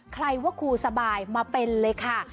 ใครว่าครูสบายมาเป็นเลยค่ะ